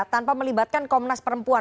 tanpa melibatkan komnas perempuan